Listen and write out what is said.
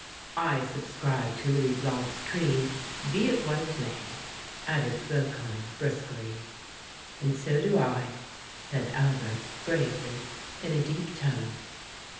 "I subscribe to Louis Blanc's creed, be it what it may," added Flocon, briskly. "And so do I," said Albert, gravely, in a deep tone.